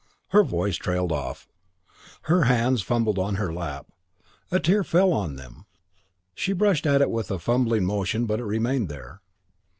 Her voice trailed off. Her hands fumbled on her lap. A tear fell on them. She brushed at it with a fumbling motion but it remained there.